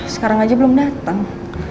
sekarang aja belum dateng